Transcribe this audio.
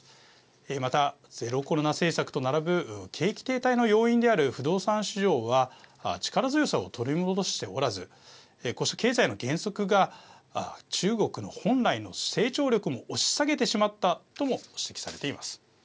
またゼロコロナ政策と並ぶ景気停滞の要因である不動産市場は力強さを取り戻しておらずこうした経済の減速が中国の本来の成長力も押し下げてしまったとも指摘されています。